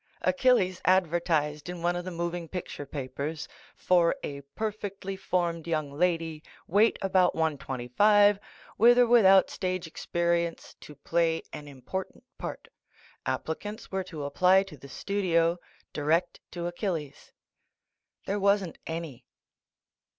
Achilles advertised in one of the moving picture papers for a perfectly formed young lady, weight about 125, with or without stage experience, to play an important part. Applicants were to apply to the studio, direct to Achilles. There wasn't any.